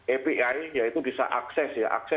api yaitu bisa akses